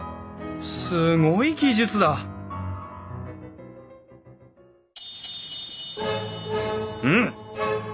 すごい技術だうん！？